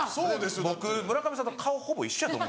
僕村上さんと顔ほぼ一緒やと思うんですよ。